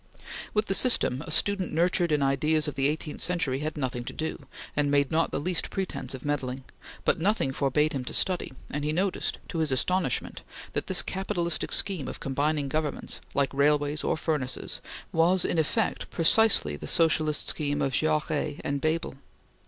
With the system, a student nurtured in ideas of the eighteenth century, had nothing to do, and made not the least presence of meddling; but nothing forbade him to study, and he noticed to his astonishment that this capitalistic scheme of combining governments, like railways or furnaces, was in effect precisely the socialist scheme of Jaures and Bebel.